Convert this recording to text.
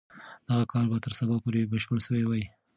دغه کار به تر سبا پورې بشپړ سوی وي.